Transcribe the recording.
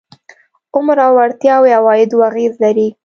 عمر او وړتیاوې عوایدو اغېز لري.